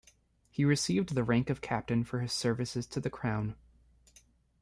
He received the rank of captain for his services to the Crown.